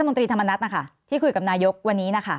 นตรีธรรมนัฐนะคะที่คุยกับนายกวันนี้นะคะ